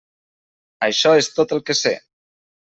Això és tot el que sé.